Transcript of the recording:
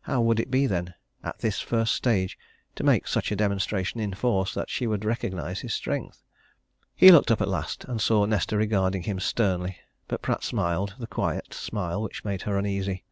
How would it be, then, at this first stage to make such a demonstration in force that she would recognize his strength? He looked up at last and saw Nesta regarding him sternly. But Pratt smiled the quiet smile which made her uneasy.